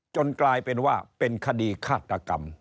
กลายเป็นว่าเป็นคดีฆาตกรรม